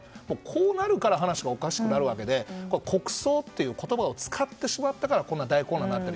こうなるから話がおかしくなるわけで国葬という言葉を使ってしまったからこんな大混乱になった。